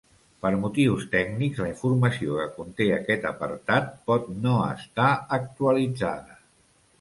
Per motius tècnics la informació que conté aquest apartat pot no estar actualitzada.